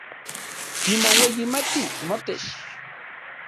Nimoueyimati motech